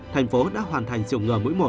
thành phố đã hoàn thành triệu ngừa mũi một